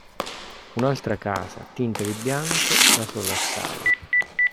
Un'altra casa, tinta di bianco, la sovrastava.